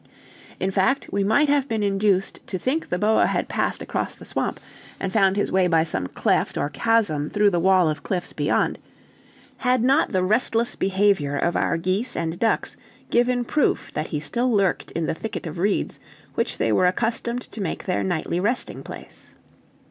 In fact, we might have been induced to think the boa had passed across the swamp, and found his way by some cleft or chasm through the wall of cliffs beyond, had not the restless behavior of our geese and ducks given proof that he still lurked in the thicket of reeds which they were accustomed to make their nightly resting place.